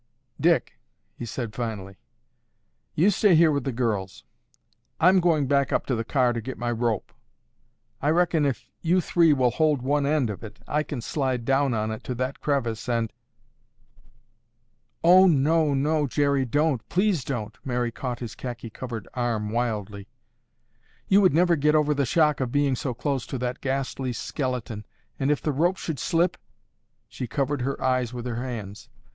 "Dick," he said finally, "you stay here with the girls. I'm going back up to the car to get my rope. I reckon if you three will hold one end of it, I can slide down on it to that crevice and—" "Oh no, no, Jerry, don't, please don't!" Mary caught his khaki covered arm wildly. "You would never get over the shock of being so close to that ghastly skeleton and if the rope should slip—" she covered her eyes with her hands.